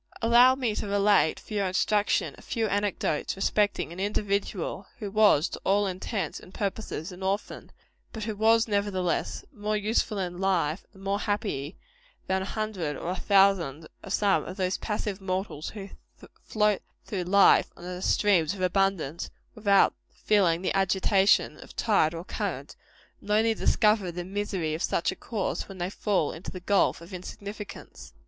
Allow me to relate, for your instruction, a few anecdotes respecting an individual, who was, to all intents and purposes, an orphan, but who was, nevertheless, more useful in life, and more truly happy, than a hundred or a thousand of some of those passive mortals who float through life on the streams of abundance, without feeling the agitation of tide or current, and only discover the misery of such a course when they fall into the gulf of insignificance.